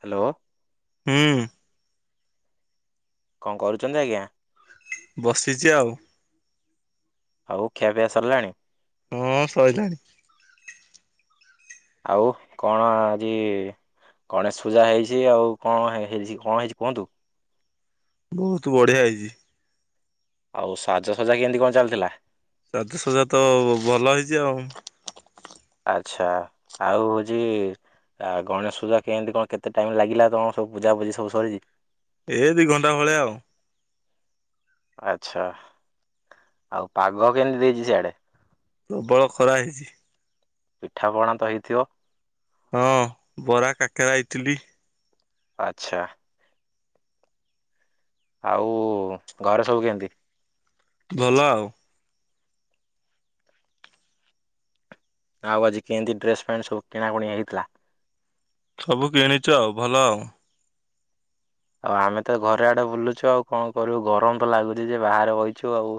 Hello. ହୁଁ। କଣ କରୁଛନ୍ତି ଆଜ୍ଞା। ବସିଛି ଆଉ। ଆଉ ଖିଆ ପିଇଆ ସରିଲାଣି? ହଁ ସଇିଲାଣି। ଆଉ କଣ ଆଜି ଗଣେଶ ପୂଜା ହେଇଛି ଆଉ କଣ ହେଇଛି କଣ ହେଇଛି କୁହନ୍ତୁ। ବହୁତ ବଢିଆ ହେଇଛି। ଆଉ ସାଜସଜା କେମିତି କଣ ଚାଲିଥିଲା। ସାଜ ସଜା ତ ଭଲ ହେଇଛି ଆଉ ଆଛା ଆଉ ହଉଛି ଆଉ ଗଣେଶ ପୂଜା କେମିତି କଣ କେତେ ଟାଇମ୍ ଲାଗିଲା ତମ ସବୁ ପୂଜା ପୂଜି ସବୁ ସରିଛି। ଏ ଦି ଘଣ୍ଟା ଭଳିଆ ଆଉ ଆଛା ଆଉ ପାଗ କେମିତି ଦେଇଛି ସିଆଡେ। ପ୍ରବଳ ଖରା ହେଇଛି। ପିଠାପଣା ତ ହେଇଥିବ। ହଁ ବରା କାକେରା ଇଟିଲି। ଆଚ୍ଛା। ଆଉ ଘରେ ସବୁ କେମିତି? ଭଲ ଆଉ। ଆଉ ଆଜି କେମିତି ଡ୍ରେସ୍ ଫ୍ୟାଣ୍ଟ ସବୁ କିଣାକୁଣି ହେଇଥିଲା। ସବୁ କିଣିଛୁ ଆଉ ଭଲ ଆଉ। ଆଉ ଆମେ ତ ଘରେ ଆଡେ ବୁଲୁଛୁ ଆଉ କଣ କରିବୁ ଗରମ ତ ଲାଗୁଛି ଯେ ବାହାରେ ବଇଛୁ ଆଉ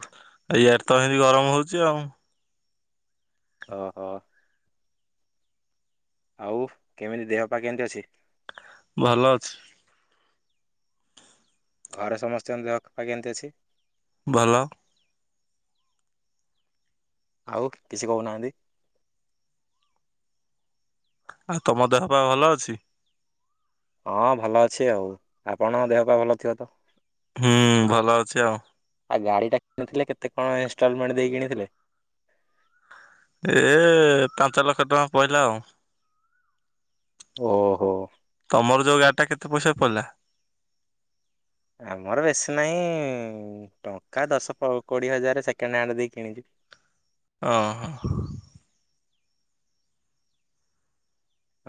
ଇଆଡ଼େ ତ ଏମିତି ଗରମ ହଉଛି ଆଉ ଓହୋ। ଆଉ କେମିତି ଦେହ ପା କେମିତି ଅଛି। ଭଲ ଅଛି। ଘରେ ସମସ୍ତଙ୍କ ଦେହପା କେମିତି ଅଛି। ଭଲ। ଆଉ କିଛି କହୁନାହାନ୍ତି। ଆଉ ତମ ଦେହ ପା ଭଲ ଅଛି। ହଁ ଭଲ ଅଛି ଆଉ ଆପଣଙ୍କ ଦେହ ପା ଭଲ ଥିବ ତ ହୁଁ ଭଲ ଅଛି ଆଉ। ଆ ଗାଡି ଟା କିଣିଥିଲେ କେତେ କଣ ଇନଷ୍ଟଲମେଣ୍ଟ ଦେଇ କିଣିଥିଲେ? ଏ ପାଞ୍ଚ ଲକ୍ଷ ଟଙ୍କା ପହିଲା ଆଉ। ଓହୋ। ତମର ଯୋଉ ଗାଡି ଟା କେତେ ପଇସା ପଡିଲା? ଆମର ବେଶୀ ନାହିଁ ଟଙ୍କା ଦଶ ପ କୋଡିଏ ହଜାର ସେକେଣ୍ଡ ହ୍ୟାଣ୍ଡ ଦେଇ କିଣିଚି। ଅଁ ହଁ ହଁ।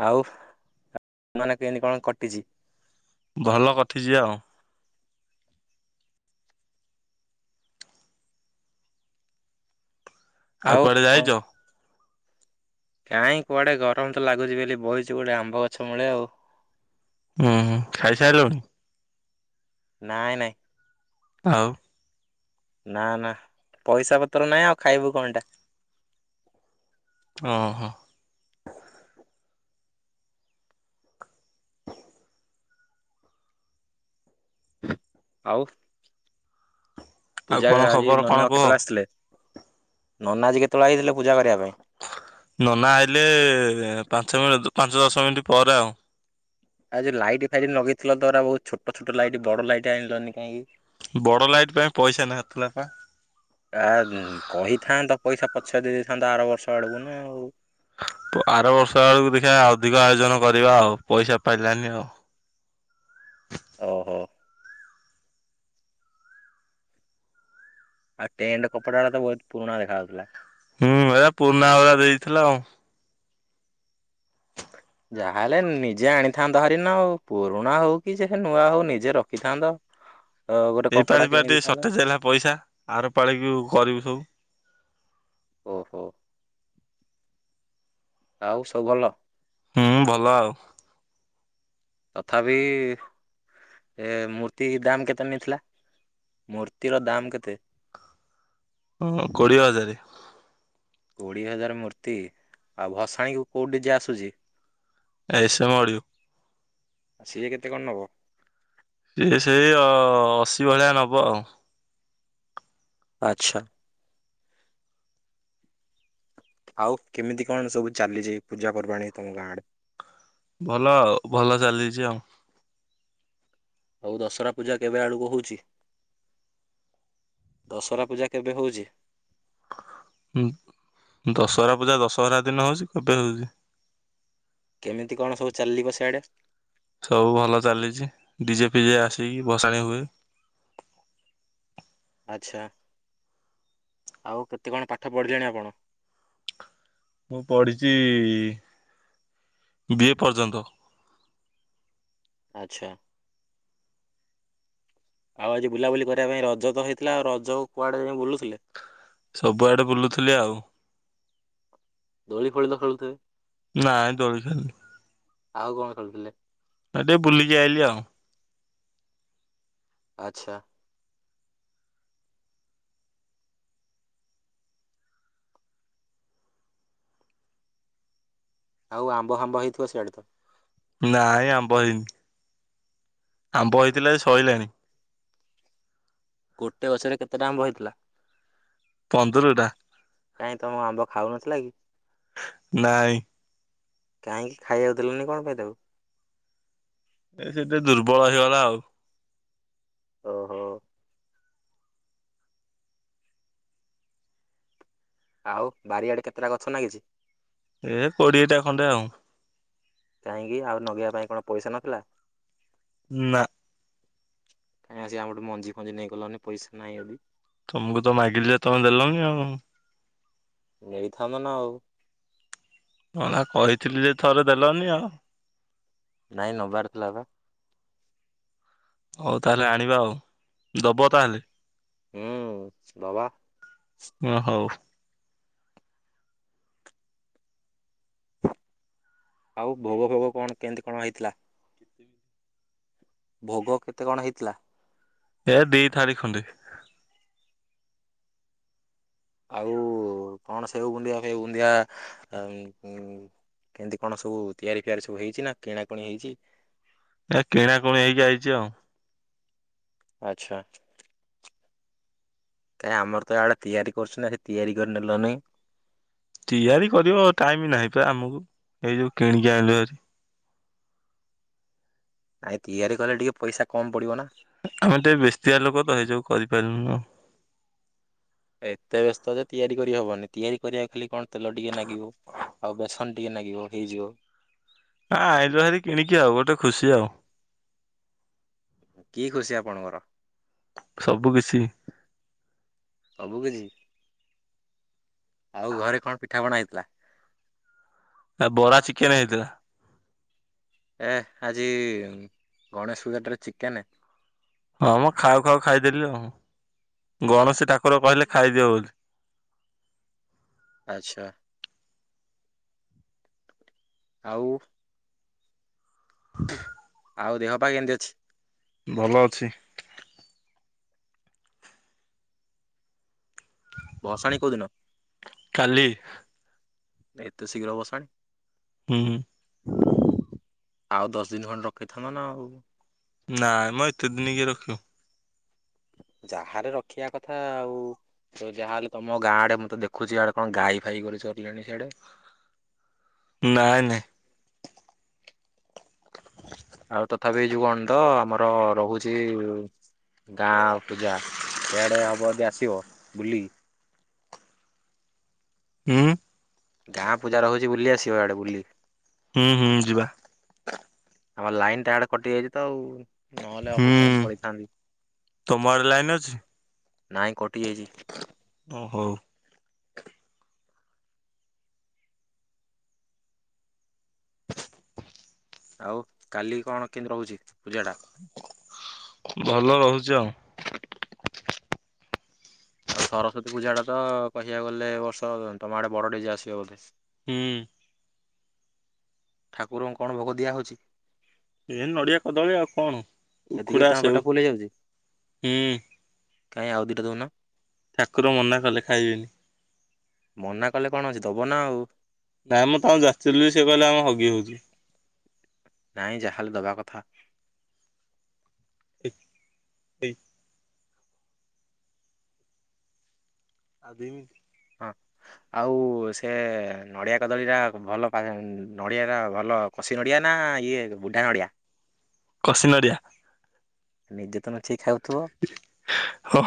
ଆଉ ମାନ କେମିତି କଣ କଟିଛି। ଭଲ କଟିଛି ଆଉ। ଆଉ କୁଆଡେ ଯାଇଛ। କାଇଁ କୁଆଡେ ଗରମ ତ ଲାଗୁଛି ବୋଲି ବହିଛି ଗୋଟେ ଆମ୍ବ ଗଛ ମୁଳେ ଆଉ। ଉଁ ହୁଁ ଖାଇସାଇଲୁଣୀ। ନାଇଁ-ନାଇଁ। ଆଉ ନା-ନା ପଇସା ପତର ନାହିଁ ଆଉ ଖାଇବୁ କଣ ଟା। ଓହୋ। ଆଉ ଆଉ ପୂଜା କଣ [unintelligible] ଆଜି ଖବର କଣ ନନା କୁହ? କେତବଳେ ଆସିଥିଲେ, ନନା ଆଜି କେତବଳେ ଆଇଥିଲେ ପୂଜା କରିବା ପାଇଁ? ନନା ଆଇଲେ ପାଞ୍ଚ [unintelligible] ପାଞ୍ଚ ଦଶ ମିନିଟ୍ ପରେ ଆଉ। ଆଜି ଲାଇଟ୍ ଫାଇଟ୍ ଲଗେଇଥିଲ ତ ଏରାକ ବହୁତ୍ ଛୋଟ-ଛୋଟ ଲାଇଟ୍, ବଡ ଲାଇଟ୍ ଆଣିଲନି କାହିଁକି? ବଡ ଲାଇଟ୍ ପାଇଁ ପଇସା ନଥିଲା ପା। ଆ କହିଥାନ୍ତ ପଇସା ପଛରେ ଦେଇ ଦେଇଥାନ୍ତ ଆର ବର୍ଷ ଆଡକୁ ନା। ତ ଆର ବର୍ଷ ଆଡୁକୁ ଦେଖିବା ଅଧିକ ଆୟୋଜନ କରିବା ଆଉ, ପଇସା ପାଇଲାନି ଆଉ। ଓହୋ। ଆଉ ଟେଣ୍ଟ କପଡା ଗୁଡା ତ ବହୁତ୍ ପୁରୁଣା ଦେଖା ଯାଉଥିଲା। ହୁଁ, ଏରା ପୁରୁଣା ଗୁଡା ଦେଇଥିଲା ଆଉ। ଯାହାହେଲେ ନିଜେ ଆଣିଥାନ୍ତ ହାରି ନା ଆଉ, ପୁରୁଣା ହଉ କି ଯେ ନୂଆ ହଉ ନିଜେ ରଖିଥାନ୍ତ। [inaudible] ଏଇ କପଡା ପାଳି ବା କିଣି ଟିକେ ଦେଇଥାନ୍ତ ସଟେଜ୍ ହେଲା ପଇସା, ଆର ପାଳିକି କରିବୁ ସବୁ। ଓହୋ। ଆଉ ସବୁ ଭଲ? ହୁଁ, ଭଲ ଆଉ। ତଥାପି ଏ ମୂର୍ତ୍ତି ଦାମ୍ କେତେ ନେଇଥିଲା, ମୂର୍ତ୍ତିର ଦାମ୍ କେତେ? ଅ କୋଡ଼ିଏ ହଜାରେ। କୋଡିଏ ହଜାର୍ ମୂର୍ତ୍ତି, ଆଉ ଭସାଣୀ କୁ କୋଉ ଡିଜେ ଆସୁଛି? S M audio. ସିଏ କେତେ କଣ ନବ? ସିଏ ସେଇ ଅ ଅଶୀ ଭଳିଆ ନବ ଆଉ। ଆଚ୍ଛା। ଆଉ କେମିତି କଣ ସବୁ ଚାଲିଚି ପୂଜା ପର୍ବାଣୀ ତମ ଗାଁ ଆଡ଼େ? ଭଲ ଆଉ, ଭଲ ଚାଲିଚି ଆଉ। ଆଉ ଦଶରା ପୂଜା କେବେ ଆଡୁକୁ ହଉଚି? ଦଶରା ପୂଜା କେବେ ହଉଚି? ହୁଁ, ଦଶହରା ପୂଜା ଦଶହରା ଦିନ ହଉଚି କେବେ ହଉଚି। କେମିତି କଣ ସବୁ ଚାଲିବ ସିଆଡେ? ସବୁ ଭଲ ଚାଲିଛି, ଡିଜେ ଫିଜେ ଆସିକି ଭସାଣି ହୁଏ। ଆଚ୍ଛା, ଆଉ କେତେ କଣ ପାଠ ପଢ଼ିଲେଣି ଆପଣ? ମୁଁ ପଢ଼ିଚି ବିଏ ପର୍ଯ୍ୟନ୍ତ। ଆଚ୍ଛା। ଆଉ ଆଜି ବୁଲାବୁଲି କରିବା ପାଇଁ ରଜ ତ ହେଇଥିଲା, ଆଉ ରଜକୁ କୁଆଡେ ଯାଇଁ ବୁଲୁଥିଲେ? ସବୁଆଡ଼େ ବୁଲୁଥିଲି ଆଉ। ଦୋଳି ଫୋଳି ତ ଖେଳୁଥିବେ? ନାଇଁ ଦୋଳି ଖେଳୁନି। ଆଉ କଣ ଖେଳୁଥିଲେ? ଆଉ ଟିକେ ବୁଲିିକି ଆଇଲି ଆଉ। ଆଚ୍ଛା। ଆଉ ଆମ୍ବ, ଫାମ୍ୱ ହେଇଥିବ ସିଆଡେ? ନାଇଁଁ ଆମ୍ବ ହେଇନି। ଆମ୍ବ ହେଇଥିଲା ଯେ ସଇଲାଣି। ଗୋଟେ ଗଛରେ କେତେଟା ଆମ୍ଭ ହେଇଥିଲା? ପନ୍ଦରଟା କାଇହିଁ ତମ ଆମ୍ବ ଖାଉ ନଥିଲା କି? ନାଇଁ। କାହିଁକି ଖାଇବାକୁ ଦେଲନି କଣ ପାଇଁ ତାକୁ? ଏ ସେତେ ଦୁର୍ବଳ ହେଇଗଲା ଆଉ। ଓହୋ। ଆଉ ବାରିଆଡେ କେତେଟା ଗଛ ନାଗିଛି? ଏ କୋଡିଏଟା ଖଣ୍ଡେ ଆଉ। କାହିଁକି ଆଉ ନଗେଇବା ପାଇଁ କଣ ପଇସା ନଥିଲା? ନାଁ। କାଇଁ ଆସି ଆମଟୁ ମଞ୍ଜି, ଫଞ୍ଜି ନେଇ ଗଲନି ପଇସା ନାହିଁ ଯଦି? ତମକୁ ତ ମାଗିଲି ଯେ ତମେ ଦେଲନି ଆଉ। ନେଇଥାନ୍ତ ନାଁ ଆଉ। ମଲା କହିଥିଲି ଯେ ଥରେ ଦେଲନି ଆଉ। ନାଇଁ ନବାର ଥିଲା ବା, ହଉ ତାହେଲେ ଆଣିବା ଆଉ। ଦବ ହୁଁ ତାହେଲେ ଦବା। ଓ ହଉ। ଆଉ ଭୋଗ, ଫୋଗ କଣ କେମିତି କଣ ହେଇଥିଲା? କେତେ [inaudible] ଭୋଗ କେତେ କଣ ହେଇଥିଲା? ଏ ଦେଇ ଥାରି ଖଣ୍ଡେ। ଆଉ କଣ ସେଉ ବୁନ୍ଦିଆ, ସେଉ ବୁନ୍ଦିଆ ହୁ କେମିତି କଣ ସବୁ ତିଆରି, ଫିଆରି ସବୁ ହେଇଛି ନା କିଣାକଣି ହେଇଛି? ଏ କିଣାକଣି ହେଇକି ଆଇଛି ଆଉ। ଆଚ୍ଛା। ଆଚ୍ଛା। କାଇଁ ଆମର ତ ଏଆଡେ ତିଆରି କରୁଛନ୍ତି। ଆସି ତିଆରି କରି ନେଲନି? ତିଆରି କରିବ ଟାଇମ ନାହିଁ ପା ଆମକୁ ଏଇ ଯଉ କିଣିକି ଆଣିଲୁ ହରି। ନାଇଁ ତିଆରି କଲେ ଟିକେ ପଇସା କମ ପଡିବ ନା, ଆମେ ଟିକେ ବେଶତିଆ ଲୋକ ତ ସେଇଯଉ କରିପାରିଲୁନୁ ଆଉ। ଏତେ ବ୍ୟସ୍ତ ଯେ ତିଆରି କରିହବନି ତିଆରି କରିବା ଖାଲି କଣ ତେଲ ଟିକେ ଲାଗିବ। ଆଉ ବେସନ ଟିକେ ନାଗିବ ହେଇଯିବ। ହଁ ଆଇିଲୁ ହାରି କିଣିକି ଆଉ ଗୋଟେ ଖୁସି ଆଉ। କି ଖୁସି ଆପଣଙ୍କର? ସବୁ କିଛି। ସବୁ କିଛି? ଆଉ ଘରେ କଣ ପିଠା ପଣା ହେଇଥିଲା? ନା ବରା, ଚିକେନ ହେଇଥିଲା। ଏ ଆଜି ଗଣେଶ ପୂଜାଟାରେ ଚିକେନ। ହଁ ମୁଁ ଖାଉ, ଖାଉ ଖାଇଦେଲି ଆଉ, ଗଣେଶୀ ଠାକୁର କହିଲେ ଖାଇଦିଅ ବୋଲି। ଆଚ୍ଛା। ଆଉ। ଆଉ ଦେହ ପା କେମିତି ଅଛି ଭଲ ଅଛି ଭସାଣି କୋଉଦିନ କାଲି ଏତେ ଶୀଘ୍ର ଭସାଣି ହୁଁ ହୁଁ ଆଉ ଦଶ ଦିନ ଖଣ୍ଡେ ରଖିଥାନ୍ତ ନା ଆଉ ନାଇଁ ମଁ ଏତେ ଦିନ କିଏ ରଖିବ ଯାହାହେଲେ ରଖିବା କଥା ଆଉ ତ ଯାହାହେଲେ ତମ ଗାଁ ଆଡେ ମତେ ଦେଖୁଛିିଆଡେ କଣ ଗାଈ ଫାଇ ଗଲେ ଚରିଲେଣି ସିଆଡେ ନାଇଁ ନାଇଁ ଆଉ ତଥାପି ଏଇ ଯୋଉ କଣ ତ ଆମର ରହୁଛି ଗାଁ ପୂଜା ଏଆଡେ ହବ ଯଦି ଆସିବ ବୁଲି ହୁଁ ଗାଁ ପୂଜା ରହୁଛି ବୁଲି ଆସିବ ଆଡେ ବୁଲି ହୁଁ, ହୁଁ ଯିବା ଆମ ଲାଇନ ଟା ଆଡେ କଟି ଯାଇଛି ତ ଆଉ ନହେଲେ ଅପିକମ ହୁଁ ପଡିିଥାନ୍ତି ତମ ଆଡେ ଲାଇନ ଅଛି? [unintelligible] ନାହିଁ କଟିଯାଇଛି ଓ ହଉ ଆଉ କାଲି କଣ କେମିତି ରହୁଛି ପୂଜା ଟା ଭଲ ରହୁଛି ଆଉ ଆଉ ସରସ୍ଵତୀ ପୂଜା ଟା ତ କହିବାକୁ ଗଲେ ବର୍ଷ ତମ ଆଡେ ବଡ ଡିଜେ ଆସିବ ବୋଧେ ହୁଁ ଠାକୁରଙ୍କୁ କଣ ଭୋଗ ଦିଆହଉଛି ଏ ନଡିଆ କଦଳୀ ଆଉ କଣ ଏତିକିରେ ଉଖଡା ତମ ପେଟ ସେଉ ଫୁଲ ହେଇଯାଉଛି ହୁଁ କାଇଁ ଆଉ ଦିଟା ଦଉନ। ଠାକୁର ମନା କଲେ ଖାଇବେନି। ମନା କଲେ କଣ ଅଛି ଦବ ନା ଆଉ। ନାଇଁ ମୁଁ ତାଙ୍କୁ ଯାଚିଲି, ସେ କହଲେ ଆମ ହଗି ହୋଇଛି। ନାଇଁ ଯା ହେଲେ ଦବା କଥା। [unintelligible] ଆଉ ଦି ମିନିଟ୍ ହଁ। ଆଉ ସେ ନଡିଆ କଦଳୀ ଟା ଭଲ ପା ନଡିଆ ଟା ଭଲ। କସିି ନଡ଼ିଆ ନା ଇଏ ବୁଢ଼ା ନଡ଼ିଆ। କସି ନଡ଼ିଆ। ନିଜେ ତ ଲୁଚେଇକି ଖାଉଥିବ। ହୋ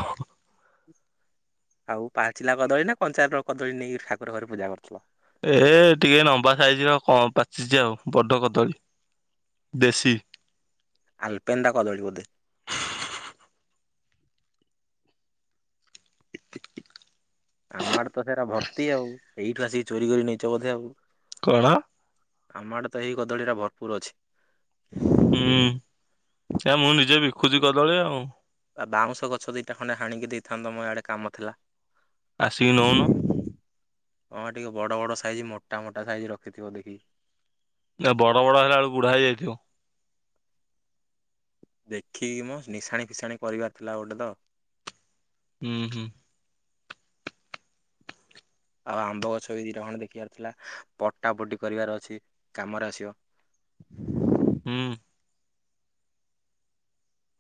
ଆଉ ପାଚିଲା କଦଳୀ ନା କଞ୍ଚା କଦଳୀ ନେଇକି ଠାକୁର ଘରେ ପୂଜା କରୁଥିଲ। ଏ ହେ ଟିକେ ଲମ୍ବା ସାଇଜ ର କଣ ପାଚିଛି ଆଉ ବଡ କଦଳୀ। ଦେଶୀ ଆଲପେନ୍ଦା କଦଳୀ ବୋଧେ। ଆମ ଆଡେ ତ ସେଟା ଭର୍ତ୍ତି, ଆଉ ଏଇଠୁ, ଆସିକି ଚୋରି କରି ନେଇଛ, ବୋଧେ ଆଉ। କଣ। ଆମଆଡ଼େ ତ ଏଇ କଦଳୀଟା ଭରପୁର ଅଛି। ହୁଁ ଏ ମୁଁ ନିଜେ ବିକୁଛି କଦଳୀ ଆଉ। ଆ ବାଉଁଶ ଗଛ ଦିଇଟା ଖଣ୍ଡେ ହାଣିକି ଦେଇଥାନ୍ତ ମ ଆଡେ କାମ ଥିଲା। ଆସିକି ନଉନ। ହଁ ଟିକେ ବଡ ବଡ ସାଇଜ ମୋଟା ମୋଟା ସାଇଜି ରଖି ଥିବ ଦେଖି। ନା ବଡ ବଡ ହେଲା ବେଳକୁ ବୁଢା ହେଇଯାଇଥିବ। ଦେଖିକି ମୋ ନିଶାଣି ଫିସାଣି କରିବାର ଥିଲା ଗୋଟେ ତ। ଉଁ ହୁଁ। ଆଉ ଆମ୍ବ ଗଛ ବି ଦିଇଟ ଖଣ୍ଡେ ଦେଖିବାର ଥିଲା ପଟାପଟି କରିବାର ଅଛି କାମରେ ଆସିବ। ହୁଁ।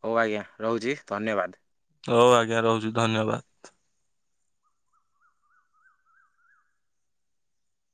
ହଉ ଆଜ୍ଞା ରହୁଛି ଧନ୍ୟବାଦ। ହଉ ଆଜ୍ଞା ରହୁଛି ଧନ୍ୟବାଦ।